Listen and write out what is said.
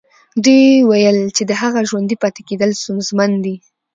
دوی ويل چې د هغه ژوندي پاتې کېدل ستونزمن دي.